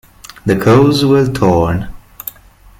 The clothes were torn.